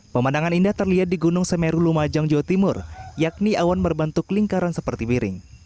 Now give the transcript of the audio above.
pemandangan indah terlihat di gunung semeru lumajang jawa timur yakni awan berbentuk lingkaran seperti piring